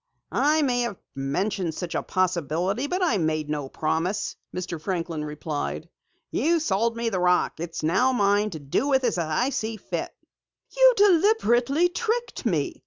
"I may have mentioned such a possibility, but I made no promise," Mr. Franklin replied. "You sold the rock to me. It is now mine to do with as I see fit." "You deliberately tricked me!